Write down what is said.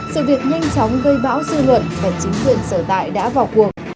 sự việc nhanh chóng gây bão dư luận và chính quyền sở tại đã vào cuộc